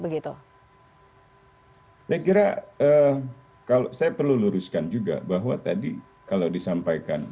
saya kira kalau saya perlu luruskan juga bahwa tadi kalau disampaikan